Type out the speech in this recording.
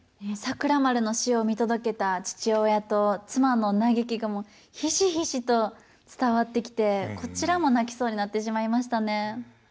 桜丸の死を見届けた父親と妻の嘆きがひしひしと伝わってきてこちらも泣きそうになってしまいましたね。